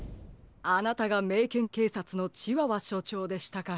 あなたがメイケンけいさつのチワワしょちょうでしたか。